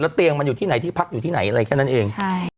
เตียงมันอยู่ที่ไหนที่พักอยู่ที่ไหนอะไรแค่นั้นเอง